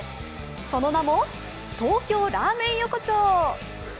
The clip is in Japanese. その名も東京ラーメン横丁。